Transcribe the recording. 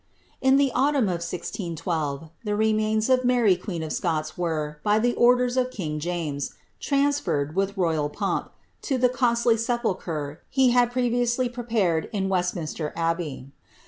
In the autumn of 1612, the remains of Mary queen of Scots were, by the orders of king James, transferred, with royal pomp, to the costly nepulchre he had previously prepared in Westminster Abbey.